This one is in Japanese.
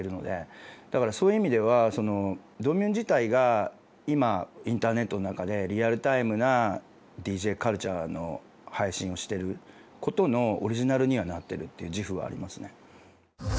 だからそういう意味ではＤＯＭＭＵＮＥ自体が今インターネットの中でリアルタイムなＤＪカルチャーの配信をしてる事のオリジナルにはなってるという自負はありますね。